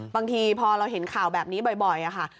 บางทีพอเราเห็นข่าวแบบนี้บ่อยค่ะ